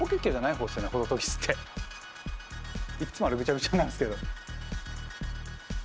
いっつもあれぐちゃぐちゃになるんですけど。